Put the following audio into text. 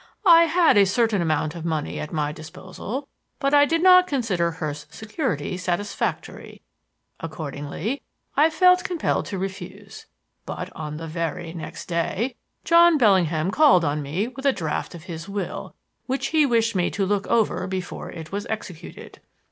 I had a certain amount of money at my disposal, but I did not consider Hurst's security satisfactory; accordingly I felt compelled to refuse. But on the very next day, John Bellingham called on me with a draft of his will which he wished me to look over before it was executed.